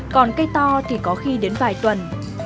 còn cây to thì có khi đến vài tuần